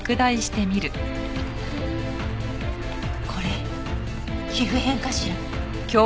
これ皮膚片かしら？